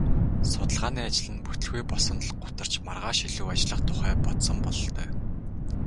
Судалгааны ажил нь бүтэлгүй болсонд л гутарч маргааш илүү ажиллах тухай бодсон бололтой.